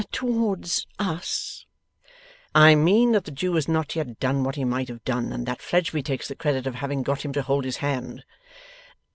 'Towards us?' 'I mean that the Jew has not yet done what he might have done, and that Fledgeby takes the credit of having got him to hold his hand.